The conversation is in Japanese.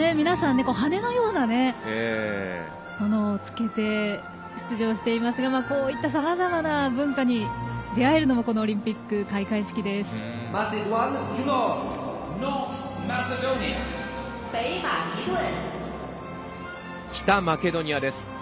皆さん羽根のようなものをつけて出場していますがこういった、さまざまな文化に出会えるのもこのオリンピック開会式です。